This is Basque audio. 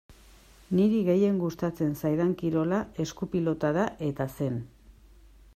Niri gehien gustatzen zaidan kirola esku-pilota da eta zen.